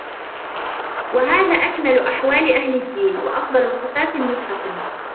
وَهَذَا أَكْمَلُ أَحْوَالِ أَهْلِ الدِّينِ ، وَأَفْضَلُ صِفَاتِ الْمُتَّقِينَ